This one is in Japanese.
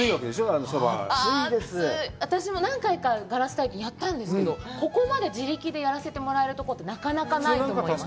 あのそばは熱い私も何回かガラス体験やったんですけどここまで自力でやらせてもらえるとこってなかなかないと思います